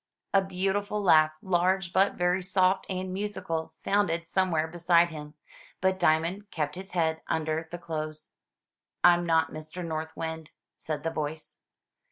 A beautiful laugh, large but very soft and musical, sounded somewhere beside him, but Diamond kept his head under the clothes. "I'm not Mr. North Wind," said the voice.